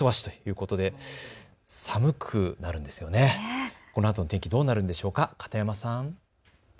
このあとの天気、どうなるんでしょうか、片山さん。